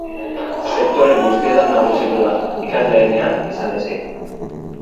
Sektore guztietan nagusitu da, ikasleenean izan ezik.